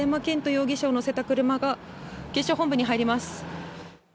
容疑者を乗せた車が警視庁本部に入ります。